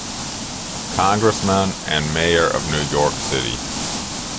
Congressman, and mayor of New York City.